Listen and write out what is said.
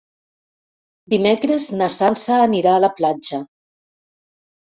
Dimecres na Sança anirà a la platja.